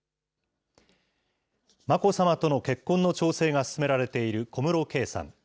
眞子さまとの結婚の調整が進められている小室圭さん。